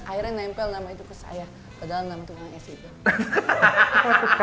akhirnya nempel nama itu ke saya padahal nama tukang es itu